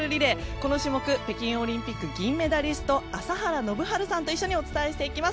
この種目北京オリンピック銀メダリスト朝原宣治さんと一緒にお伝えしていきます。